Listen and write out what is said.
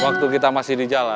waktu kita masih di jalan